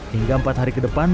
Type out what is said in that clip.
hingga empat hari ke depan